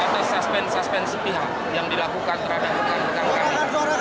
atas suspensi pihak yang dilakukan terhadap pengemudi